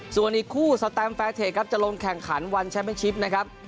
ส่วนอีกคู่สแตมแฟร์เทคครับจะลงแข่งขันวันแชมเป็นชิปนะครับ